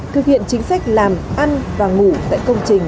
thực hiện chính sách làm ăn và ngủ tại công trình